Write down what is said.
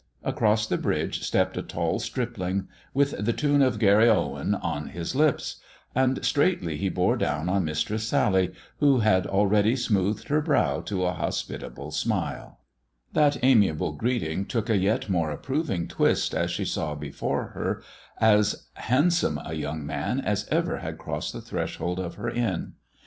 Across the bridge stepped a tall stripling with the tune of " Garryowen " on his lips ; and straightly he bore down on Mistress Sally, who had already smoothed her brow to a hospitable smile. " Aeroes the bridge rtappeJ a tall stripling." i THE DWARF S CHAMBER 9 That amiable greeting took a yet more approving twist as she saw before her as handsome a young man as ever had crossed the threshold of her inn.